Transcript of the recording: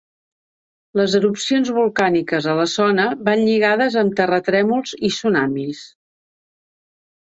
Les erupcions volcàniques a la zona van lligades amb terratrèmols i tsunamis.